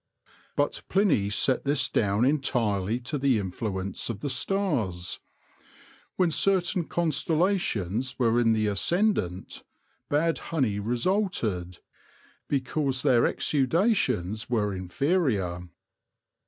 But Pliny set this down entirely to the influence of the stars. When certain constellations were in the ascendant, bad honey resulted, because their exudations were inferior.